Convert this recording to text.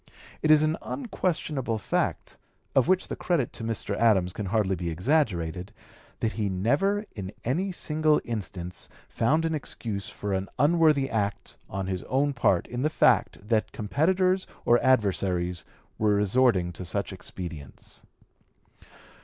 It is an unquestionable fact, of which the credit to Mr. Adams can hardly be exaggerated, that he never in any single instance found an excuse for an unworthy act on his own part in the fact that competitors or adversaries were resorting to such expedients.